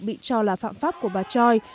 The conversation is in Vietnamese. bị cho là phạm pháp của bà choi